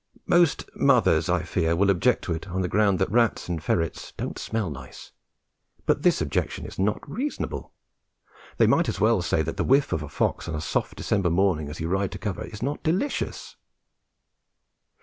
Most mothers, I fear, will object to it on the ground that rats and ferrets don't smell nice; but this objection is not reasonable. They might as well say that the whiff of a fox on a soft December morning as you ride to covert is not delicious!